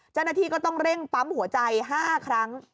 เจ้าหน้าที่ก็ต้องเร่งปั๊มหัวใจ๕ครั้ง